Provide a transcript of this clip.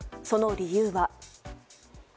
その理由は。